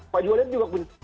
pak juliari juga kebencana